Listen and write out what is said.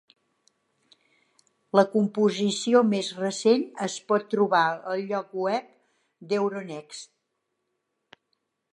La composició més recent es pot trobar al lloc web d'euronext.